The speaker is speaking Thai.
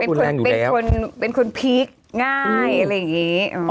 เป็นคนพีคง่ายอะไรอย่างนี้